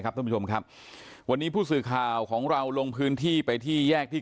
ท่านผู้ชมครับวันนี้ผู้สื่อข่าวของเราลงพื้นที่ไปที่แยกที่